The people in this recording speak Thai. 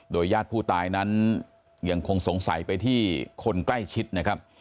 ญาติผู้ตายนั้นยังคงสงสัยไปที่คนใกล้ชิดนะครับ